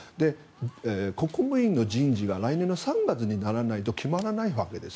国務院の人事が来年の３月にならないと決まらないわけです。